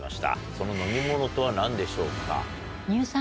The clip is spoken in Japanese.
その飲み物とは何でしょうか？